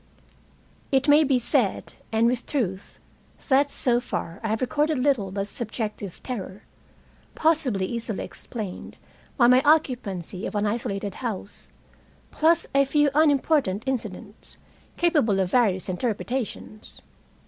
II It may be said, and with truth, that so far I have recorded little but subjective terror, possibly easily explained by my occupancy of an isolated house, plus a few unimportant incidents, capable of various interpretations.